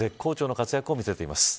活躍を見せています。